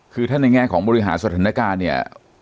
คือถ้าในแง่ของบริหารสถานการณ์เนี่ย